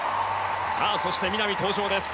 そして南が登場です。